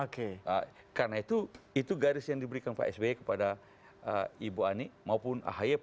karena itu garis yang diberikan pak sby kepada ibu ani